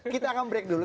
kita akan break dulu